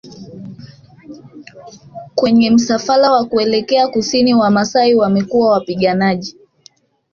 Kwenye msafara wa kuelekea Kusini Wamasai wamekuwa Wapiganaji